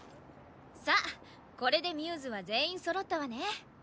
さあこれでμ’ｓは全員そろったわね。